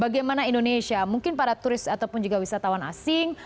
bagaimana indonesia mungkin para turis ataupun juga wisatawan asing